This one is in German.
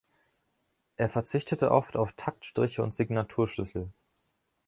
Er verzichtete oft auf Taktstriche und Signaturschlüssel.